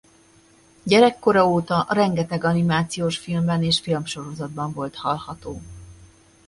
Gyerekkora óta rengeteg animációs filmben és filmsorozatban volt hallható.